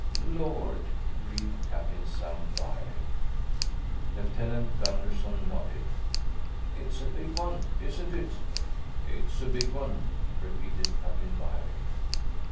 "Lord," breathed Captain Sam Wiley. Lieutenant Gunderson nodded. "It's a big one, isn't it?" "It's a big one," repeated Captain Wiley.